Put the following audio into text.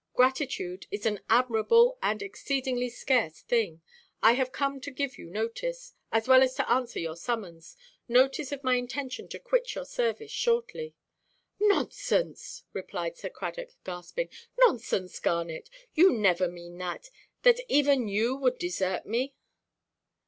Gratitude is an admirable and exceedingly scarce thing. I am come to give you notice—as well as to answer your summons—notice of my intention to quit your service shortly." "Nonsense!" replied Sir Cradock, gasping; "nonsense, Garnet! You never mean that—that even you would desert me?"